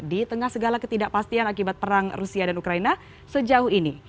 di tengah segala ketidakpastian akibat perang rusia dan ukraina sejauh ini